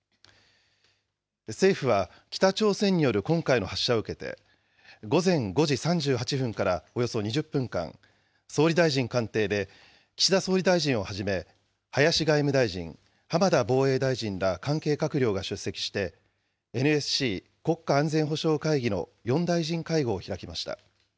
政府は、北朝鮮による今回の発射を受けて、午前５時３８分からおよそ２０分間、総理大臣官邸で、岸田総理大臣をはじめ、林外務大臣、浜田防衛大臣ら関係閣僚が出席して、ＮＳＣ・国家安全保障会議の４大臣会合を開きました。